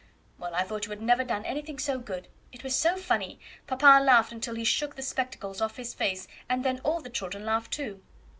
"Well, I thought you had never done anything so good. It was so funny; papa laughed till he shook the spectacles off his face, and then all the children laughed too."